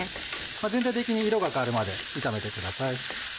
全体的に色が変わるまで炒めてください。